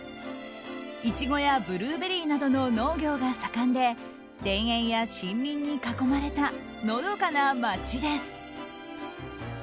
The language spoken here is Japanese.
イチゴやブルーベリーなどの農業が盛んで田園や森林に囲まれたのどかな町です。